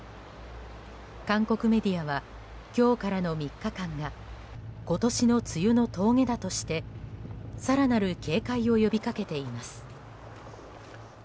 韓国メディアは今日からの３日間が今年の梅雨の峠だとして更なる警戒を呼びかけています。